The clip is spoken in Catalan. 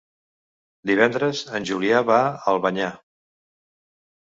Divendres en Julià va a Albanyà.